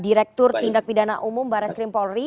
direktur tindak pidana umum barat skrim polri